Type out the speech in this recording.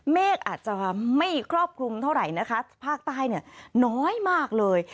เมฆอาจจะไม่ครอบคลุมเท่าไหร่นะคะภาคใต้เนี่ยน้อยมากเลย